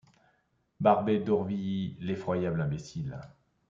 Barbey d'Aurevilly ; l'effroyable imbécile.